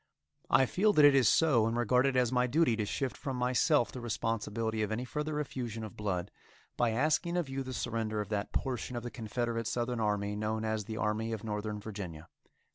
I feel that it is so, and regard it as my duty to shift from myself the responsibility of any further effusion of blood, by asking of you the surrender of that portion of the Confederate southern army known as the Army of Northern Virginia.